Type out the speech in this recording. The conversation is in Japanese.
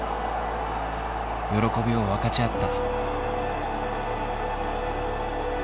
喜びを分かち合った。